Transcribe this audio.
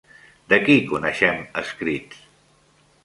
De qui coneixem escrits?